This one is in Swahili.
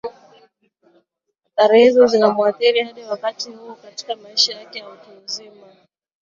athaari hizo zinamuathiri hadi wakati huu katika maisha yake ya utu uzima